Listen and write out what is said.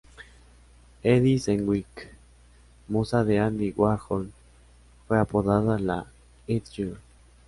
Edie Sedgwick, musa de Andy Warhol, fue apodada la "It Girl".